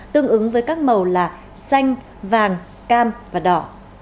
tương ứng với các màu là xanh vàng cam và đỏ